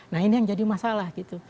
nah ini yang jadi masalah gitu